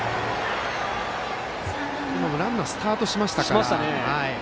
ランナースタートしましたから。